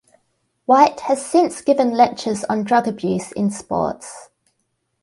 White has since given lectures on drug abuse in sports.